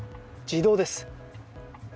自動です。